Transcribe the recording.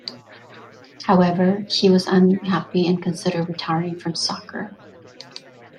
However, she was unhappy and considered retiring from soccer.